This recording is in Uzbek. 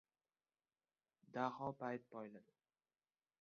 Daho payt poyladi.